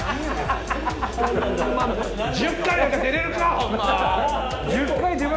１０回なんか出れるかほんま！